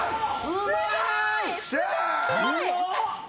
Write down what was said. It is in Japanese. すごい！